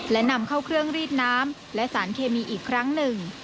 และนำเข้าเครื่องรีดน้ำและสารเคมีอีกครั้งหนึ่ง